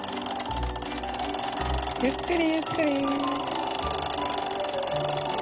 ゆっくりゆっくり。